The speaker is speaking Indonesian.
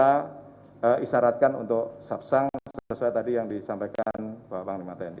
kita isaratkan untuk subsang sesuai tadi yang disampaikan pak panglima tendi